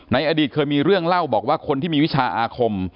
อดีตเคยมีเรื่องเล่าบอกว่าคนที่มีวิชาอาคม